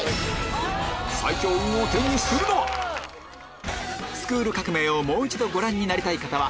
最強運を手にするのは⁉『スクール革命！』をもう一度ご覧になりたい方は